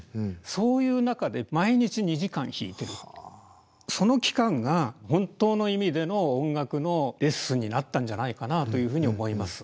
そういう中で毎日２時間弾いてるその期間が本当の意味での音楽のレッスンになったんじゃないかなというふうに思います。